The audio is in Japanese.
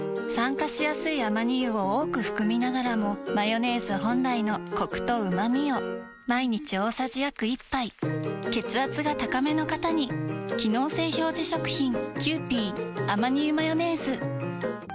酸化しやすいアマニ油を多く含みながらもマヨネーズ本来のコクとうまみを毎日大さじ約１杯血圧が高めの方に機能性表示食品